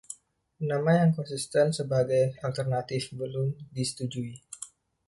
Nama yang konsisten sebagai alternatif, belum disetujui.